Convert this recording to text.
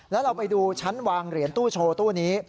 แล้วเราไปดูชั้นวางเหรียญตู้โชว์ตู้นี้